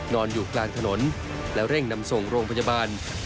นอนอยู่กลางถนนและเร่งนำส่งโรงพยาบาล